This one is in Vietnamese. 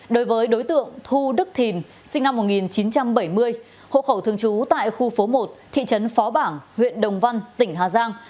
đối với đối tượng thu đức thìn sinh năm một nghìn chín trăm bảy mươi hộ khẩu thường trú tại khu phố một thị trấn phó bảng huyện đồng văn tỉnh hà giang